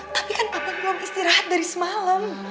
tapi kan aku belum istirahat dari semalam